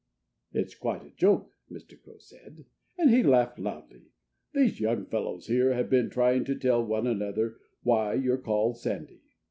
"It's quite a joke," Mr. Crow said. And he laughed loudly. "These young fellows here have been trying to tell one another why you're called Sandy.